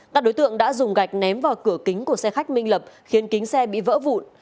các đối tượng đã dùng gạch ném vào cửa kính của xe khách minh lập khiến kính xe bị vỡ vụn